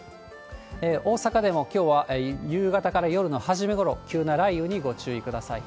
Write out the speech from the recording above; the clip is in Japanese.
大阪でもきょうは夕方から夜の初め頃、急な雷雨にご注意ください。